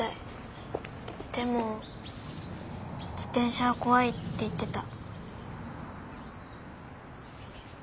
でも自転車は怖いって言ってた。